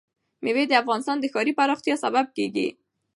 مېوې د افغانستان د ښاري پراختیا سبب کېږي.